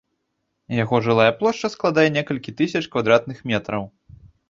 Яго жылая плошча складае некалькі тысяч квадратных метраў.